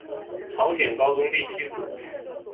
朝鲜高宗第七子。